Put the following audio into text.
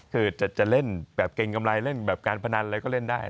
คือจะเล่นแบบเกรงกำไรเล่นแบบการพนันอะไรก็เล่นได้